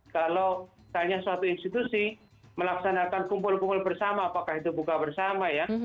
kalau misalnya suatu institusi melaksanakan kumpul kumpul bersama apakah itu buka bersama ya